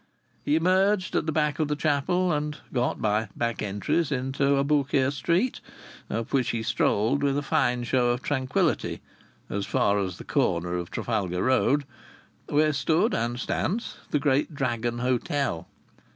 He emerged at the back of the chapel and got by "back entries" into Aboukir Street, up which he strolled with a fine show of tranquillity, as far as the corner of Trafalgar Road, where stood and stands the great Dragon Hotel.